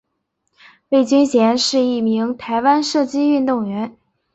魏均珩是一名台湾射箭运动员。